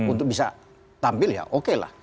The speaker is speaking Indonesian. untuk bisa tampil ya oke lah